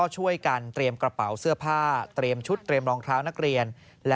ช่วยการเตรียมกระเป๋าเสื้อผ้าชุดน้องเท้านักเรียน